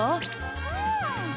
うん！